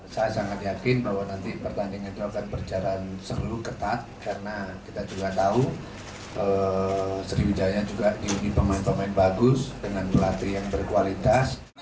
saya sangat yakin bahwa nanti pertandingan itu akan berjalan seru ketat karena kita juga tahu sriwijaya juga diuji pemain pemain bagus dengan pelatih yang berkualitas